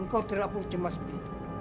engkau terlalu cemas begitu